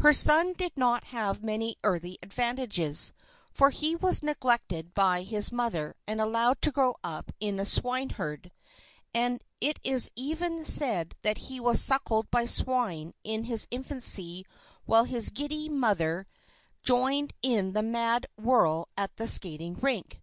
Her son did not have many early advantages, for he was neglected by his mother and allowed to grow up a swineherd, and it is even said that he was suckled by swine in his infancy while his giddy mother joined in the mad whirl at the skating rink.